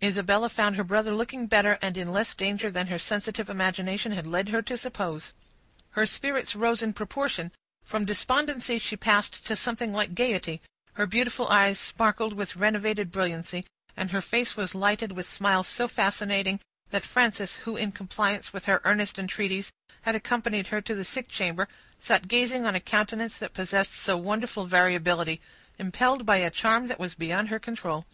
Isabella found her brother looking better, and in less danger than her sensitive imagination had led her to suppose. Her spirits rose in proportion; from despondency, she passed to something like gayety; her beautiful eyes sparkled with renovated brilliancy; and her face was lighted with smiles so fascinating, that Frances, who, in compliance with her earnest entreaties, had accompanied her to the sick chamber, sat gazing on a countenance that possessed so wonderful variability, impelled by a charm that was beyond her control.